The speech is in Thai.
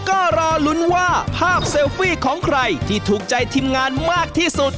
ก็รอลุ้นว่าภาพเซลฟี่ของใครที่ถูกใจทีมงานมากที่สุด